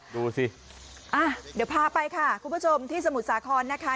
ดูสิอ่ะเดี๋ยวพาไปค่ะคุณผู้ชมที่สมุทรสาครนะคะ